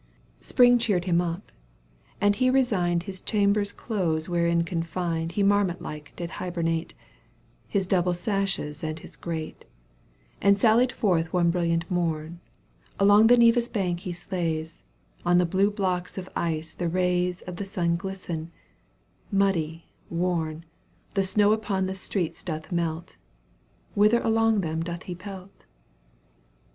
Spring cheered him up, and he resigned ffis chambers close wherein confined He marmot like did hibernate, His double sashes and his grate, And sallied forth one brilliant mom — Along the Neva's bank he sleighs, On the blue blocks of ice the rays Of the sun glisten ; muddy, worn, The snow upon the streets doth melt — Whither along them doth he pelt